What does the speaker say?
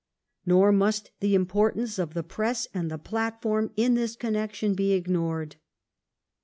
Nor must the importance of the Press and the Platform in this connection be ignored.